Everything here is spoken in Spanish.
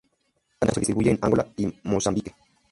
En África, se distribuye en Angola, y Mozambique.